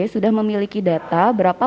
sudah memiliki data berapa